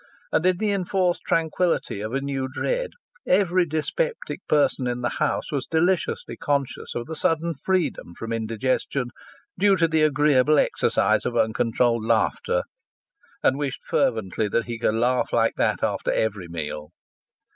And in the enforced tranquillity of a new dread every dyspeptic person in the house was deliciously conscious of a sudden freedom from indigestion due to the agreeable exercise of uncontrolled laughter, and wished fervently that he could laugh like that after every meal.